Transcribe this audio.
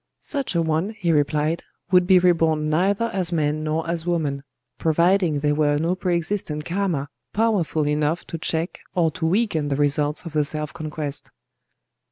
"Such a one," he replied, "would be reborn neither as man nor as woman,—providing there were no pre existent karma powerful enough to check or to weaken the results of the self conquest."